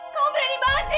kamu berani banget sih